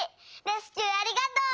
レスキューありがとう！」。